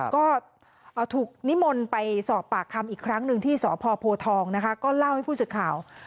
ก็ถูกนิมนต์ไปสอบปากคำอีกครั้งหนึ่งที่สพโพทองนะคะก็เล่าให้ผู้สื่อข่าว